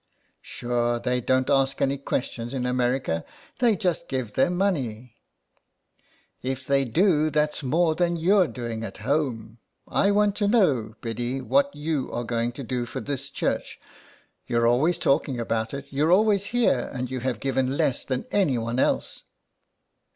" Sure they don't ask any questions in America, they just give their money." " If they do, that's more than you're doing at home. I want to know, Biddy, what you are going to do for this church. You're always talking about it ; you're always here and you have given less than any one else."